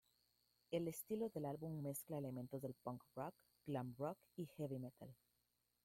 El estilo del álbum mezcla elementos del punk rock, glam rock y heavy metal.